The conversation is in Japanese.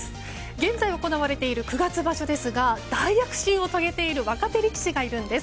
現在、行われている九月場所ですが大躍進を遂げている若手力士がいるんです。